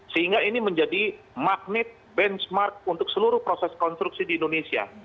sehingga ini menjadi magnet benchmark untuk seluruh proses konstruksi di indonesia